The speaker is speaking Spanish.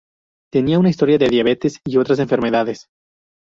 Tenía una historia de diabetes y otras enfermedades.